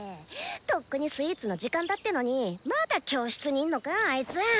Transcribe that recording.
とっくにスイーツの時間だってのにまだ教室にいんのかあいつ。